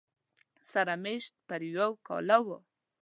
سره مېشت پر یو کاله و